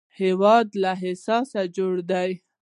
هېواد له احساس جوړ دی